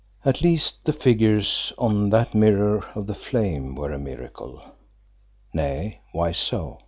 At least the figures on that mirror of the flame were a miracle. Nay, why so?